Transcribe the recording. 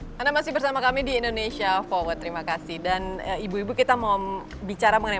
hai karena masih bersama kami di indonesia forward terima kasih dan ibu ibu kita mau bicara mengenai